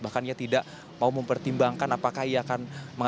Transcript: bahkan ia tidak mau mempertimbangkan apakah ia akan